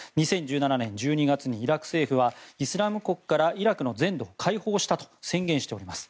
２０１７年１２月にイラク政府はイスラム国からイラクの全土を解放したと宣言しております。